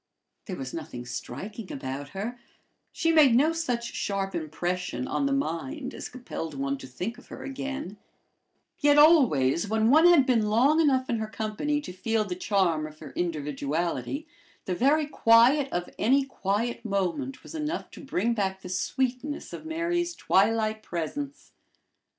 There was nothing striking about her; she made no such sharp impression on the mind as compelled one to think of her again; yet always, when one had been long enough in her company to feel the charm of her individuality, the very quiet of any quiet moment was enough to bring back the sweetness of Mary's twilight presence.